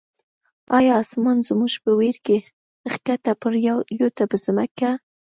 یا آسمان زموږ په ویر کی، ښکته پر یووته په ځمکه